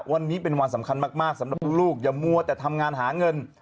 วันนี้เป็นวันสำคัญมากสำหรับลูกอย่ามัวแต่ทำงานหาเงิน